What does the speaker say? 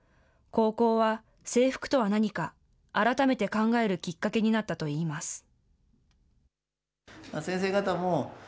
高校は制服とは何か、改めて考えるきっかけになったといいます。